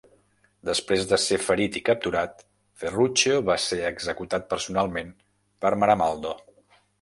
Després de ser ferit i capturat, Ferruccio va ser executat personalment per Maramaldo.